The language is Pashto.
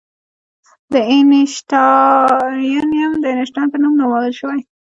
د اینشټاینیم د اینشټاین په نوم نومول شوی.